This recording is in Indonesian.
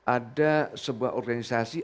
ada sebuah organisasi